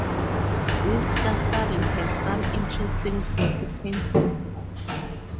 This clustering has some interesting consequences.